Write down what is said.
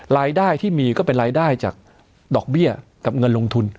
รายได้ที่มีก็เป็นรายได้จากดอกเบี้ยกับเงินลงทุน